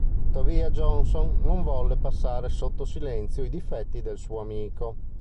Tuttavia, Johnson non volle passare sotto silenzio i difetti del suo amico.